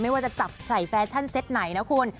ว่าจะจับใส่แฟชั่นเซ็ตไหนนะคุณ